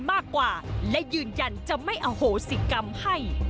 มากกว่าและยืนยันจะไม่อโหสิกรรมให้